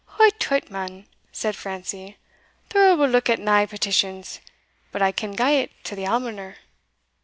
"Hout, tout, man," said Francie, "the Earl will look at nae petitions but I can gie't to the almoner."